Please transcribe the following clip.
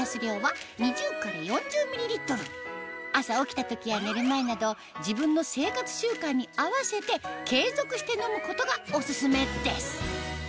朝起きた時や寝る前など自分の生活習慣に合わせて継続して飲むことがオススメです